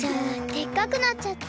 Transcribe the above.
でっかくなっちゃった。